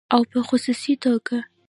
او په خصوصي توګه